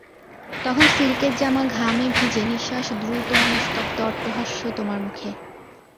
তখন সিল্কের জামা ঘামে ভিজে, নিশ্বাস দ্রুত, নিস্তব্ধ অট্টহাস্য তোমার মুখে।